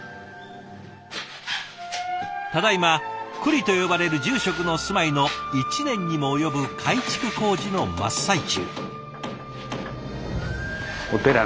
ただいま庫裏と呼ばれる住職の住まいの１年にも及ぶ改築工事の真っ最中。